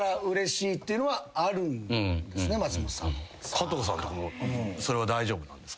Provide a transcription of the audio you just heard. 加藤さんはそれは大丈夫なんですか？